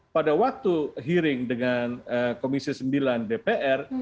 pada waktu hearing dengan komisi sembilan dpr